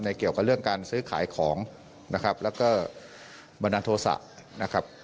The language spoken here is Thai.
เกี่ยวกับเรื่องการซื้อขายของนะครับแล้วก็บันดาลโทษะนะครับ